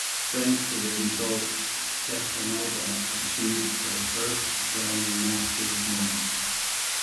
Thanks to this result Stefanova achieved her first Grandmaster norm.